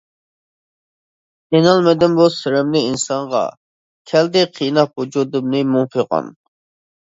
تىنالمىدىم بۇ سىرىمنى ئىنسانغا، كەلدى قىيناپ ۋۇجۇدۇمنى مۇڭ، پىغان.